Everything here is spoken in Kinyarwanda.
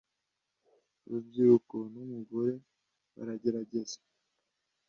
urubyiruko n’umugore baragerageza